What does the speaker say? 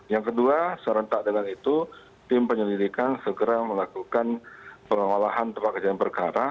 yang kedua serentak dengan itu tim penyelidikan segera melakukan pengolahan tempat kejadian perkara